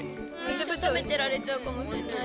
ずっとたべてられちゃうかもしんない。